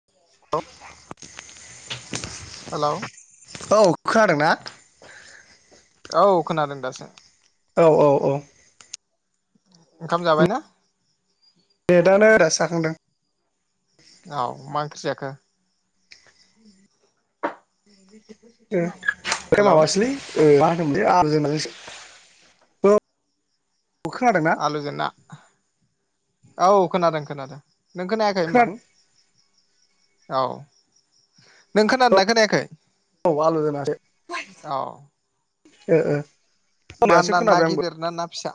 [unintelligible] Hello औ खोनादोंना औ खोनादों दासो औ औ औ ओंखाम जाबायना नेटानो दासो जाखांदों औ मा ओंख्रि जाखो दे ओंख्रिया हेलौ माबासोलै अमा [unintelligible] आलुजो ना औ खोनादों खोनादों नों खोनायाखै होमबा खोनादों औ नों खोनादोंना औ खोनायाखै [inaudible] ओ ओ औ मा दासो ना ना खोनाबाय आंबो गिदिर ना ना फिसा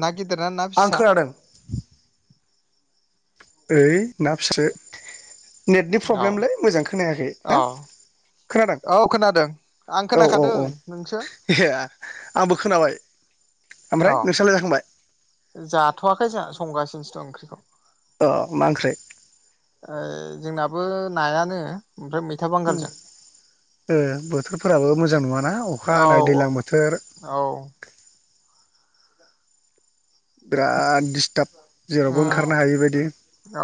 ना गिदिर ना ना आं फिसा खोनादों ओय ना फिसासो नेटनि औ फ्रब्लेमलै मोजां खोनायाखै औ ना खोनादों औ खोनादों आं औ औ खोनाखादों औ नोंसो एहे आंबो खोनाबाय ओमफ्राय नोंस्रालाय जाखांबाय अ जाथ'वाखै जा संगासि [unintelligible] अ मा ओंख्रै ओ जोंनाबो नायानो ओमफ्राय मैथा ओ बांगालजों बोथोरफोराबो मोजां नङाना अखा औ हानाय औ दैलां बोथोर औ बिराद दिस्ताप जेरावबो ओंखारनो उम हायैबायदि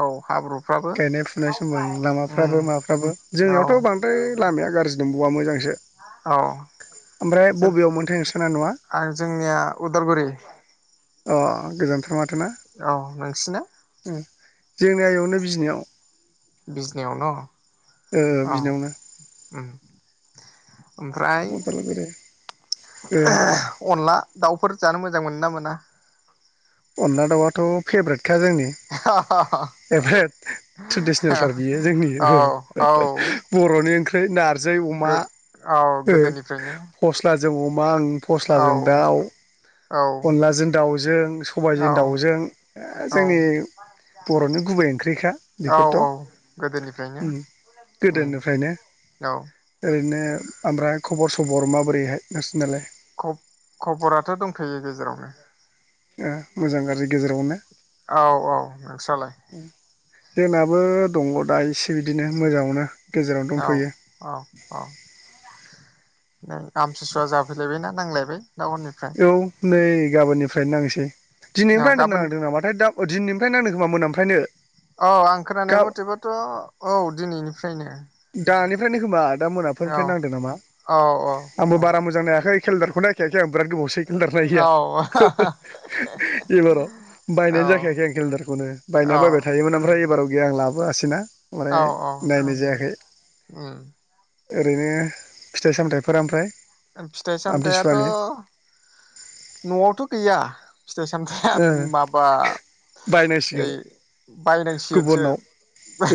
औ हाब्रुफ्राबो गायनाय फुनाय समाव लामाफ्राबो उम माबाफ्राबो औ जोंनियावथ' बांद्राय लामाया गाज्रि नंबावा मोजांसो औ ओमफ्राय जों बबेयाव मोनथाय नोंसा नङा आं जोंनिया उदालगुरि अ गोजोन्थों औ नोंसिना जोंनिया इयावनो बिजनियाव बिजनियाव न ओ बिजिनियावनो उम ओमफ्राय ओ [unintelligible] अनला दाउफोर जानो मोजां मोनो ना मोना। अनला दाउआथ' फेब्रेट औ औ गो औ गोदोनिफ्रायनो [unintelligible] जों अमा आंनि फस्लाजों औ दाउ औ अनलाजों दाउजों औ सबायजों दाउजों औ जोंनि बर'नि गुबै ओंख्रिखा औ बेफोरथ' औ गोदोनिफ्रायनो उम उम गोदोनिफ्रायनो औ [unintelligible] बिदिनो ओमफ्राय खबर सबर माबोरैहाय नोंसिनालाय? खब खबराथ' दंथ'यो गेजेरावनो! मोजां गाज्रि गेजेरावनो! औ औ नोंस्रालाय? जोंनाबो दङ दा इसे बिदिनो मोजांङावनो! औ औ औ। नै आमथिसुवा जाफैलायबायना नांलायबाय। टाउननिफ्राय औ नै गाबोननिफ्रायनो नांनोसै औ दिनैनिफ्राय आद गाबोन नांदों नामाथायै। ओमफ्राय नांनो खोमा मोनानिफ्रायनो औ आं खोनानाय गा मथेबाथ' औ दिनैनिफ्रायनो दानिफ्रायनो खोमा दा मोनाफोरनिफ्राय नांदों नामा औ औ आंबो औ बारा मोजां नायाखै केलेनदारखौ नायखायाखै आं। बिराद गोबावसै केलेदार औ नायैया एबाराव औ बायनायानो जाखायाखै आं केलेदारखौनो औ बायनाया बायबाय थायोमोन ओमफ्राय एबाराव आं लाबोआसैना। माने औ औ नायनाय जायाखै उम ओरैनो फिथाइ सामथाइफोरा ओमफ्राय फिथाय-सामथायाथ'। आमथिसुवानि न'आवथ' गैया। फिथाइ सामथाइया ओ माबा ओइ। बायनांसिगोन बायनांसिगोनसो गुबुनाव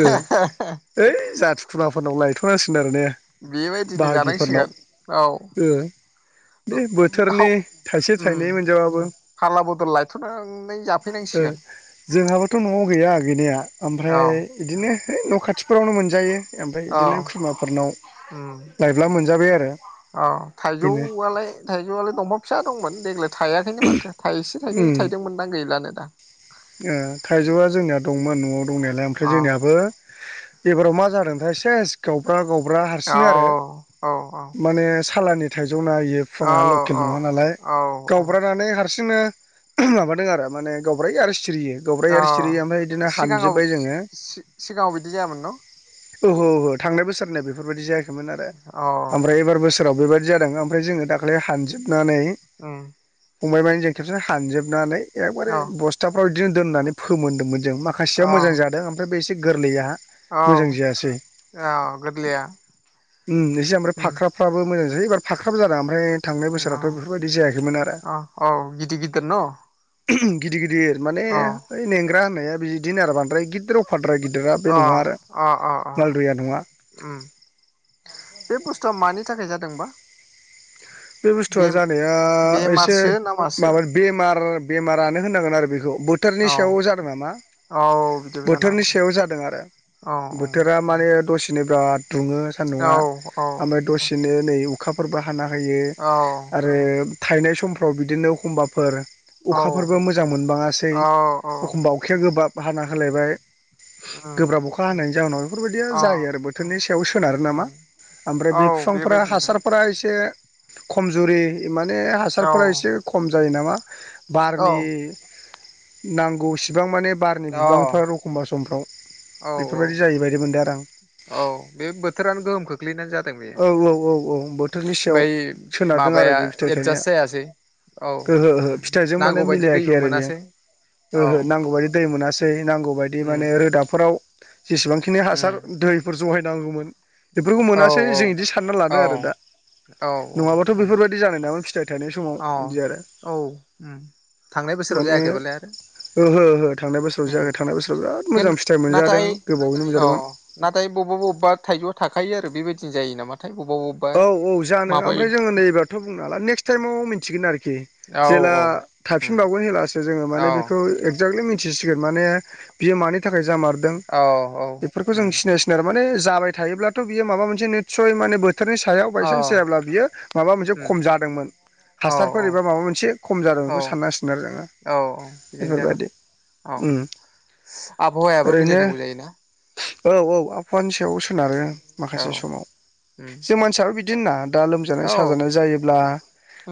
ओ ओइ जाथि खुरमाफोरनाव लायथ'नां [inaudible] बेबायदिनो जानांसिगोन औ ओ बे बोथोरनि थाइसे थाइनै मोनजाबाबो फारला बदल लायथ'नानै जा ओ जोंहाबोथ' न'आव गैया गैया गैनाया। औ ओमफ्राय बिदिनो ओइ न' खाथिफोरावनो मोनजायो ओमफ्राय औ बिदिनो खुरमाफोरनाव उम लायब्ला मोनजाबाय आरो औ बेनो थाइजौआलाय थाइजौआलाय दंफां फिसा दंमोन देग्लाय थायाखैनो माथो थाइसे थाइनै उम थायदोंमोनदां गैलानो दा ओ थाइजौआ जोंनिया दंमोन न'आव दंनायालाय ओमफ्राय अ जोंनियाबो एबाराव मा जादोंथाय सेस गावब्रा गावब्रि ब्ला औ हारसिंनो आरो औ माने सालानि थाइजौ जना होयो औ फुङा लकेल नङा नालाय औ औ गावब्रानानै हारसिं जोङो माबा दङो आरो माने गावब्रायो आरो सिरि अ सिगाङाव जोङो सिगाङाव बिदि जायामोन न'? ओहो ओहो थांनाय बोसोरनिया बेफोरबायदि जायाखै आरो अ ओमफ्राय एबार बोसोराव बेबायदि जादों ओमफ्राय जोङो दाख्लै हानजोब नानै उम फंबायमोनजों खेबसे हानजोबनानै एबारे औ बस्ट अ दिनो दोननानै फोमोनदोंमोन औ माखासेयाव मोजां जादों ओमफ्राय बे थि गोरलैआ औ मोजां जायासै औ गोरलैया उम एसे ओमफ्राय उम फाख्राफ्राबो मोजां जायासै एबार फाख्राबो जादों ओमफ्राय थांनाय बोसोरावथ' बेफोरबायदि जायाखैमोन आरो औ औ गिदिर गिदिर न गिदिर गिदिर गिदिर माने अ ओइ नेंग्रा बिदिनो आरो बांद्राय गिदिर अफाद्राइ गिद अ अ अ अ नङा उम बे बस्थु थुआ मानि थाखाय जादोंबा? बे बुस्थुआ जानाया एसे बेमारसो ना मासो माबानि बेमार बेमारानो होननांगोन आरो बेखौ बोथोरनि औ सायाव जादों नामा औ बिदिबो जानो बोथोरनि सायाव जादों आरो बोथोरा हागौ माने दसेनो बिराद दुङो सान्दुङा औ ओमफ्राय दसेनो नै अखाफोरबो हाना बाहायो औ आरो थायनाय समफ्राव बिदिनो एखमबाफोर औ अखाफोरबो मोजां मोनबांङासै औ औ एखमबा अखाया गोबाब बाहाना होलायबाय उम गोब्राब अखा हानायनि जाउोनाव बेफोरबायदिया अ जायो आरो बोथोरनि सायाव सोनारो उम नामा ओमफ्राय औ बे बिफांफोरा्रा बेबायदिनो हासारफोरा एसे खमजुरि माने औ हासारफोरा एसे खम जायो नामा [inaudible] औ बारनि नांगौसिम बिबां माने बारनि अ बिबांफोर एखमबा समफ्राव औ औ बेफोरबायदि जायैबायायदि मोनदों आरो आं औ बे बोथोरानो गोहोम खोख्लैनानै जादों औ औ औ औ बोथोरनि सायाव बे सोनारदों आरो माबाया बे फिथाइ थायनाया एडजास्ट जायासै औ ओहो ओहो फिथाइजों माने नांगौबायायदि मिलायाखै दैबो आरो बेयो मोनासै औ नांगौ बायदि उम माने रोदाफोराव जेसेबांखिनि उम हासार दै जहाय नांगौमोन। बेफोरखौ औ मोनासै औ जों इदि सानना लादो औ आरो दा। औ औ नङाबाथ' उम बेफोरबायदि जानाय नामोन फिथाइ थनाय समाव औ बिदि आरो औ उम थांनाय बोसोराव माने जायाखैबालाय आरो ओहो ओहो थांनाय बोसोराव जायाखै उम थांनाय बोसोराव बिराद मोजां फिथाइ मोनजादों नाथाय गोबावैनो औ मोनजादोंमोन। खायो आरो बेबायदिजों जायो नामा। औ-औ जानो ओमफ्राय जोङो नैबाथ बुंनो हाला नेक्स्ट टाइमाव मिथिगोन आरोखि। औ जेला औ उम थाफिनबावगोन हेला। जोंङो औ माने बेखौ एक्जेक्टलि मि [unintelligible] गोन माने बियो मानि थाखाय थाखाय जामारदों औ औ बेफोरखौ जों उम सिनाय सिनायहरबाय। [unintelligible] जाबाय थायोब्लाथ' बियो माबा मोनसे नितसय माने बोर बोथोरनि सायाव अ बायसान्स जायाब्ला बियो माबा मोनसे उम खम जादोंमोन औ हासारफोर एबा माबा मोनसे खम जादों औ बेखौ साननांसिगोन आरो जोंङो औ बिदिनो जागोन बेफोरबादि औ उम आबहावायाबो ओरैनो। मिलायनांगौ जायोना औ-औ आबहावानि सायाव सो नारो औ माखासे समाव। उम जों मानसियाबो बिद दिना। दा लोमजानाय औ साजानाय जायोब्ला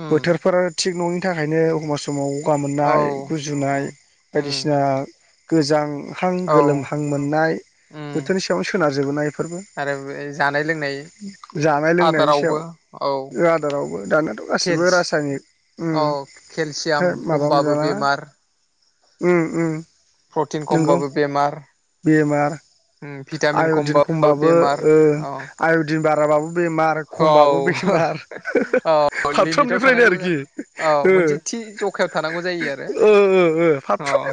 उम बोथोरफोर थिग नंङि। थाखायनो एखमबा समाव। गगा औ मोननाय गुजुनाय उम उम बायदिसिना। गोजां। हां औ गोलोमहां मोननाय उम बोथोरनि सायावनो सोनारो [unintelligible] आरो बे जानाय लोंनाय दानाय लोंनायनि आदारावबो औ सायाव आदारावबो दानियााथ' गासिबो केलसि रासायनिक उम औ केलसियाम हाथाय माबा खमबाबो मोनजालाना बेमार उम उम प्रटिन नोंगौ खमबाबो बेमार बेमार भिटामिन आय'दिन खमबाबो बेमार ओ औ आयदिन बा [unintelligible] बेमार खमबाबो औ बेमार लिमिटाव थानांगौ औ मोनसे थि जखायाव थानांगौ जायो आरो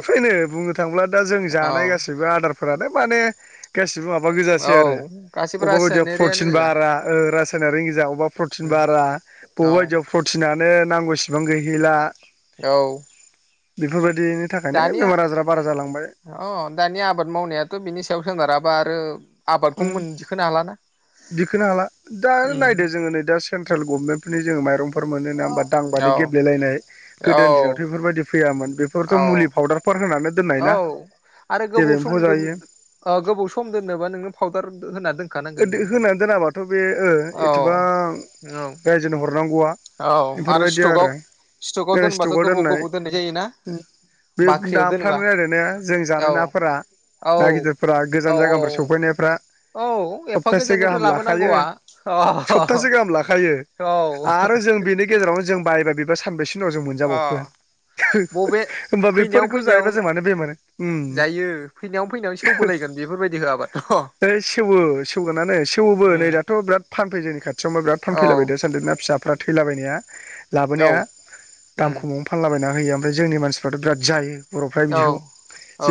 अ [inaudible] थांब्ला दा जों जानाय औ गासैबो आदार फोरानो माने गासै माबा गोजासै आरो औ गासैबो अबा बादिया रासायनारियानो प्रतिन गोजा बारा ओ रास सायनारि गोजा अबा प्रतिन बारा बबे औ बायदियाव प्रटिनानो नांगौसिबां गैहैला। औ बेफोरबाय दिनि थाखायनो दानिया बेमार आसारा अ दानि आबाद मावनायाथ' बिनि सायाव सोनारा। माबा आरो आबादखौ मोनदिखोनो हालाना दिखोनो हाला दा नायदो जोङो नै दा सेन्ट्रेल गभमेन बिदिनो जोङो माइरंफोर मोनो ना होमबा दांबानो औ गेब्लायेलायनाय गोदो दिनावथ' औ बेफोरबायदि फैयामोन। औ बेफोरथ' मुलि पाउदारफोर होनानै दोननाय औ ना आरो जेरै गोबाव सम एम्फौ दोन जायो गोबाव सम दोननोबा नोङो फावदार होनाय होनानै दोनाबाथ' बे ओ एथबां औ औ रायजोनो हरनांगौमोन। औ आरो बेफोरबायदि स्टकआव आरो दोनबाथ' स्टकआव गोबाव दोननाय गोबाव जायोना बे बाख्रियाव दोनबा नाफ्रानो ओरै ने जों औ जानाय नाफोरा औ ना गिदिरफोरा औ गोजान जायगानिफ्राय सफैनायफ्रा औ एफा सप्तासे गोजाननिफ्राय गाहाम लाखायो लाबोनांगौआ अ सप्तासे गाहाम लाखायो औ आरो जों बेनि गेजेराव जों बा बिबा सानबेसे निउनाव जों अ मोनजाबावखो बबे होमबा फैनायाव बेफोरखौ फैनायाव जायोबा जों मानो बेमार जायो फैनायाव फैनायाव सेवबोलायगोन बेफोरबायदि होआबाथ' सेवो सेवगोनानो सेवबो नै उम दाथ' बिराद फानफै जोंनि खाथियाव मा बिराद औ फानफैलायबाय द सान्दो ना फिसाफ्रा थैलाबायनाया औ लाबोनाया दाम उम खमावनो फानलाबायना होयो ओमफ्राय जोंनि मानसिफ्राथ' बिराद जायो। बर'फ्रा औ बिदिखौ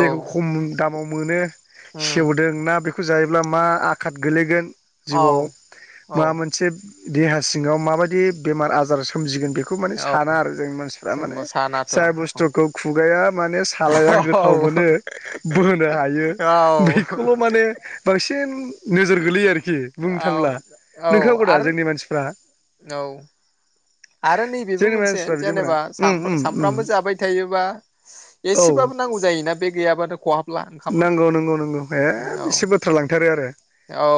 औ खम दामाव मोनो। उम सेवदों ना बेख जायोब्ला मा आ खाद गोलैगोन औ जिउआव मा औ मोनसेब देहा सिङाव माबायदि बेमार आजार सोमजिगोन बेख खौ माने औ साना आरो जोंनि मानसिफ्रा माने जों सानाथ' औ जाय बुस्थुखौ खुगाया माने सालाया गोथाव औ मोनो बोनो हायो औ बेखौल' माने बांसिन नोजोर गोलैयो आरो जेयो बुंनो थांब्ला औ नोंखौदा आरो जोंनि मानसिफ्रा औ आरो नैबेबो जोंनि मोनसे मानसिफ्रा बिदि मोना जेनेबा उम साम उम उम सामफ्रामबो जाबाय थायोबा औ एसेबाबो नांगौ जायोना बे गैयाबानो खहाबला। ओंखामा नंगौ नंगौ नंगौ हे औ बेसे बाथ्रा लांथारो आरो औ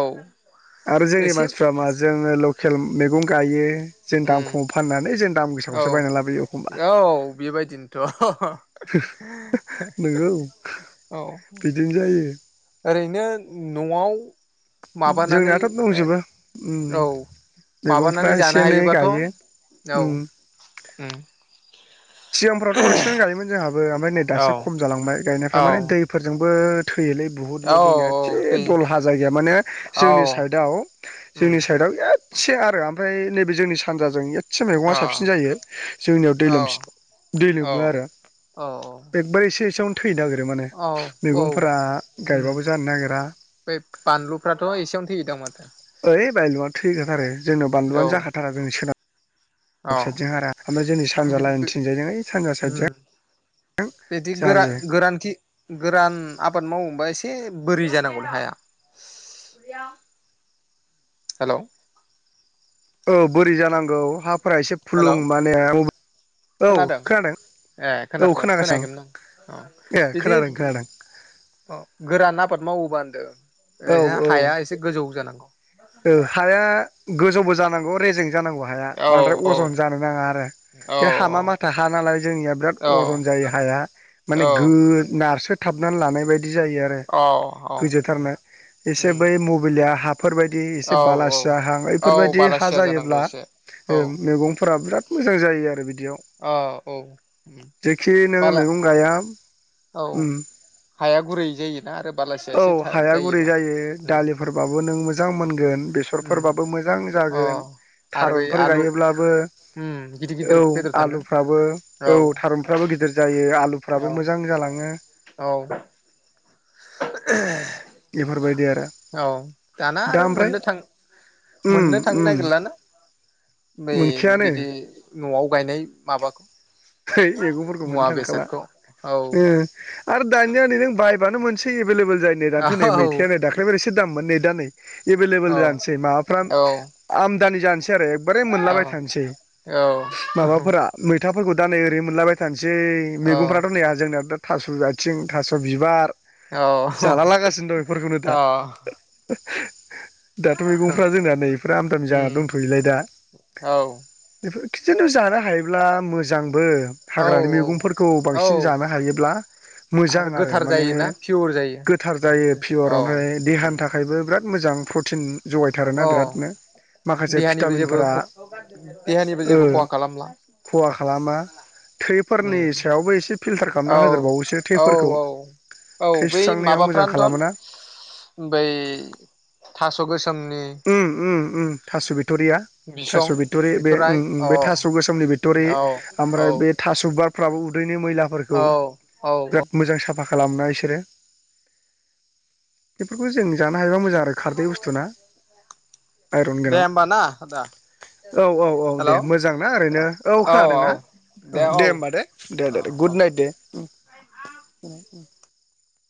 आरो जोंनि एसे मानसिफ्रा माजों ओ लकेल मेगं गायो जों दाम उम खम फाननानै जों दाम औ गोसाखौसो बायना लाबोयो एखमबा औ बेबायदिनोथ' नंगौ औ बिदिनो जायो। ओरैनो न'आव माबानानै जोंनाथ' दंजोबो उम उम औ मैगंफ्रा माबानानै जानो एसे एनै हायोबाथ' गायो औ उम उम सिगांफोरावथ' बांसिनानो गायोमोन जोंहाबो ओमफ्राय नै औ दासो खम जालांबाय गायनायफ्रा माने औ दैफोरजोंबो फैयोलै औ बुहुदनो जोंनिआ एदसे दै दलहा जायो। गैया माने औ जोंनि साइडआव उम जोंनि साइडआव एद एसे आरो ओमफ्राय नैबे जोंनि सानजाजों ए से मैगङा अ साबसिन जायो जोंनियाव दै लोमसि औ दै लोमो औ आरो औ एकबा एसे एसेयावनो फैनो नागिरो माने औ औ मैगंफोरा उम गायबाबो जानो नागिरा। बै बानलुफ्राथ' एसेयावनो थैयोदां माथो ओइ बायल'आ थैगोन आरो जोंनो औ बानलुआनो जाखाथारा जोंनि सोनाब ग औ साइदजों हारा ओमफ्राय जोंनि सानजा बि लाइन बि थिंजायजों ओइ सानजा उम साइदजों बिदि गोरा गोरानथि खि गोरान आबाद मावो? बा एसे बोरै जानांगौ हाया हेलौ औ बोरै जानांगौ हाफ- फोरा एसे हेलौ फुलुं माने औ खोनादों औ खोनाथवा खोनागासिनो खोनायाखैमोन आं औ आं ए बिदि खोनादों खोनादों औ गोरान आबाद मावोबा ओन्दों औ ओरैनो औ हाया एसे गोजौ जानांगौ ओ हाया [unintelligible] गोजौबो जानांगौ रेजें जानांगौ हाया औ बद्राय औ अजन जानो नाङा आरो औ बे हामा माथा हा नालाय जोंनिया बिराद औ अजन जायो हाया औ माने गो नारसो थाबनानै लानाय बायदि बिदि जायो आरो औ गोजो उम थारनो एसे उम बै [unintelligible] बिदि एसे औ औ बालासिया हा औ बेफोरबायदि हा बालासिया जानांगौ जायोब्ला एसे औ मैगंफोरा बिराद मोजां जायो आरो बिदियाव औ औ उम जेखि नोङो बाला मैगं गाया औ उम हाया गुरै जायोना आरो बालासिय औ एसे था हाया गुरै जायोबा जायो दालिफोरबाबो नों मोजां मोनगोन उम बेसरफोरबाबो मोजां अ जागोन आरो बै थारुनफोर आलु गायोब्लाबो उम गिदिर गिदिर औ बेदर थाङो आलुफ्राबो औ थारुनफ्राबो गिदिर जायो फ्राबो औ मोजां जालाङो औ बेफोरबायदि आरो [inaudible] औ दाना दा आरो ओमफ्राय मोननो थां उम मोननो थांनो उम नागिरलाना बै बिदि नआव गायनाय माबाखौ हैै मैगंफोरखौ मुवा मोननो थांखाला बेसादखौ औ ओम आरो दानिया नै नों बाय बांनो मोनसै एभेलेबेल जायो दाथ नै औ मैथायानो दाख्लैफोर एसे दाममोन नै दा नै एभेलेबेल औ जानोसै माबाफ्रा औ आम दानि जानिसै [unintelligible] औ मोनलाबाय थानिसै माबा फोरा मैथाफोरखौ दा नै ओरैनो मोनलाबाय थानिसै जै मैगंफ्राथ' नेै जोंनिया जा थास' आथिं, थास' बिबार अ जाला लागासिनो दं बेफोरखौनो दा अ। [inaudible] दाथ' मैगंफ्रा जोंनाया नै आमदानि जा दंथयोनालाय दा बेफोरखौ खिन्थु जानो हायो। मोजां बो हाग्रानि औ मैगंफोरखौ औ बांसिन जानो हायोब्ला मोजां आरो गोथार माने जायोना पियर जायो गोथार जायो पियर औ ओमफ्राय देहानि थाखायबो बिराद मोजां प्रटिन जगायथारोना बिरादनो अह माखासे देहानिबो भिटामिनफोरा जेबो देहानिबो ओ जेबो खहा खालामला। खहा खालामा। थैफोरनि ओम सायावबो एसे फिल्टार खालामना औ होदेरबावोसो औ थैफोरखौ औ औ थै बै सुस्रांनायाव मोजां माबाफ्रानोथ' खालामोना बै थास' गोसो मनि उम उम उम थास' बिथ टरिया थास' बिटरि बे बिथराइ उम उम अ बे थास' गोसोमनि बिटरि औ औ ओमफ्राय बे थास' बारफ्राबो उदैनि मैलाफोरखौ औ औ बिराद मोजां साफ साफा खालामो ना इसोरो बेफोरखौ जों जानो हायोबा मोजां आरो खारै बुस्थुना आइरन दे गोनां होमबा ना आदा औ औ औ दे हेल' मोजां ना ओरैनो औ खोनादों ना औ दे होमबा दे दे दे दे औ औ गुद नाइट दे।